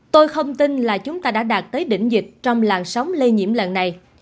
tôi không tin là chúng ta đã đạt tới đỉnh dịch trong làn sóng lây nhiễm lần này